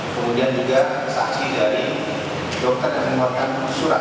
kemudian juga saksi dari dokter yang mengeluarkan surat